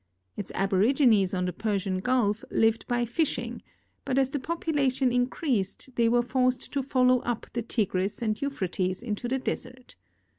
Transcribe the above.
Its aborigines on the Persian gulf lived by fishing, but as the i)opulation increased, they w ere forced to follow up the Tigris and Euphrates into the desert.